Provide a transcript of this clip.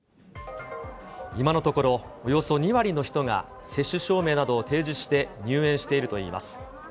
今のところ、およそ２割の人が接種証明などを提示して入園しているといいます。